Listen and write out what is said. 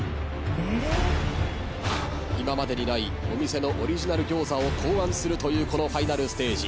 今までにないお店のオリジナル餃子を考案するというこのファイナルステージ。